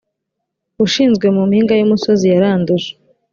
ushinzwe mu mpinga y umusozi yaranduje